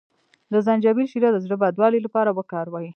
د زنجبیل شیره د زړه بدوالي لپاره وکاروئ